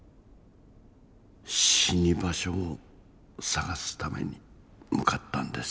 死に場所を探すために向かったんです。